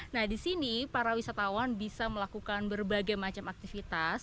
nah di sini para wisatawan bisa melakukan berbagai macam aktivitas